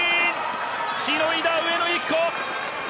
しのいだ上野由岐子！